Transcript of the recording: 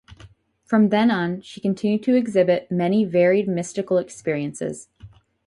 From then on, she continued to exhibit many varied mystical experiences.